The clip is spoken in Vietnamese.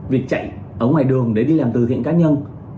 việc chạy ở ngoài đường để đi làm từ thiện cá nhân